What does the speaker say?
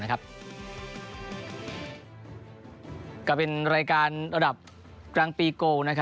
ก็เป็นรายการระดับกลางปีโก